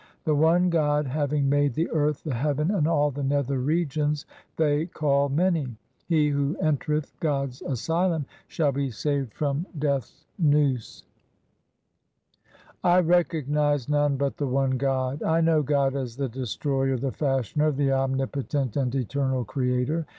1 The one God having made the earth, the heaven, and all the nether regions they call many. He who entereth God's asylum shall be saved from Death's noose. I recognize none but the one God : I know God as the Destroyer, the Fashioner, the Omni potent and Eternal Creator.